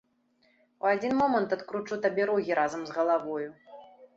У адзін момант адкручу табе рогі разам з галавою.